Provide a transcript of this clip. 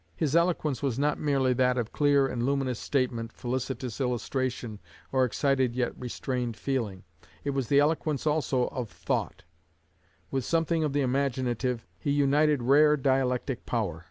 His eloquence was not merely that of clear and luminous statement, felicitous illustration, or excited yet restrained feeling; it was the eloquence also of thought. With something of the imaginative, he united rare dialectic power.